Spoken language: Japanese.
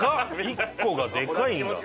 １個がでかいんだ。